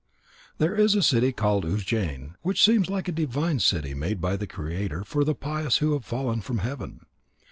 There is a city called Ujjain, which seems like a divine city made by the Creator for the pious who have fallen from heaven.